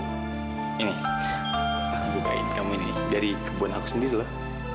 amira aku bawa sesuatu buat kamu ya moga moga dengan ini kamu bisa cepat sembuh